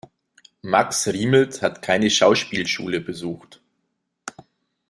Max Riemelt hat keine Schauspielschule besucht.